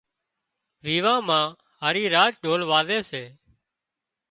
ويوان مان هارِي راچ ڍول وازي سي